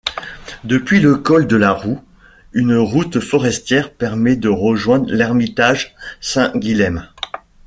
Depuis le col de la Roue, une route forestière permet de rejoindre l'ermitage Saint-Guillem.